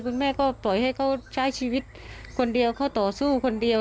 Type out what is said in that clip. แม่ก็ปล่อยให้เขาใช้ชีวิตคนเดียวเขาต่อสู้คนเดียว